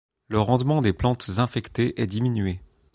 Le rendement des plantes infectées est diminué.